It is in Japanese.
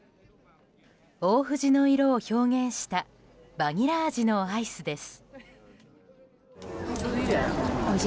大藤の色を表現したバニラ味のアイスです。